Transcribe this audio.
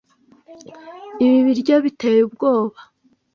Ibi biryo biteye ubwoba.